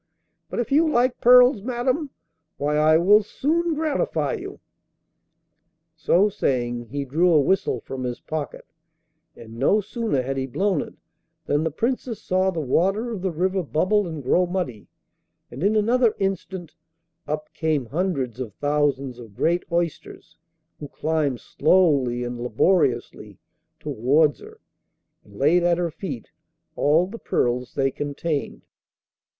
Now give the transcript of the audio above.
But if you like pearls, madam, why, I will soon gratify you.' So saying, he drew a whistle from his pocket, and no sooner had he blown it than the Princess saw the water of the river bubble and grow muddy, and in another instant up came hundreds of thousands of great oysters, who climbed slowly and laboriously towards her and laid at her feet all the pearls they contained.